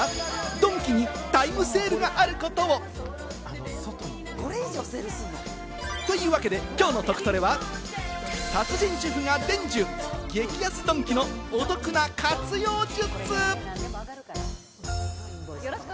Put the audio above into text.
ドンキにタイムセールがあることを！というわけで、きょうのトクトレは、達人主婦が伝授、激安ドンキのお得な活用術！